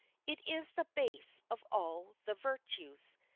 It is the base of all the virtues.